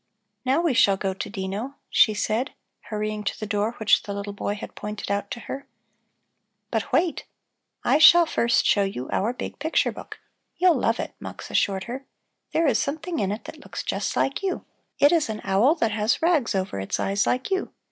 "Now we shall go to Dino," she said, hurrying to the door which the little boy had pointed out to her. "But wait! I shall first show you our big picture book. You'll love it," Mux assured her. "There is something in it that looks just like you; it is an owl that has rags over its eyes like you.